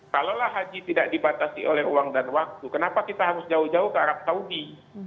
kalaulah haji tidak dibatasi oleh uang dan waktu kenapa kita harus jauh jauh ke arab saudi